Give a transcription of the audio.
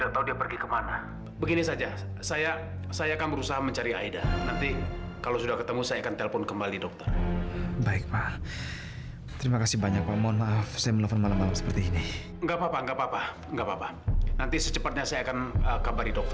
terima kasih pak